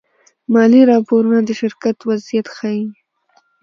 مالي راپورونه د شرکت وضعیت ښيي.